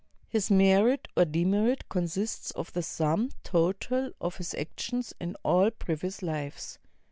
His merit or demerit con sists of the sum total of his actions in all pre\aous lives.